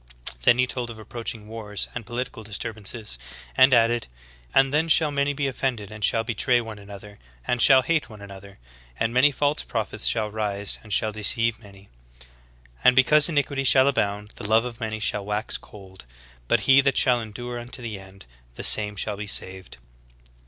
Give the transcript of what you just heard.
"" Then He told of approaching wars and political disturbances, and added "And then shall many be offended and shall betray one another, and shall hate one another. And many false prophets shall rise and shall deceive many. And because in iquity shall abound, the love of many shall wax cold. But he that shall endure unto the end the same shall be saved.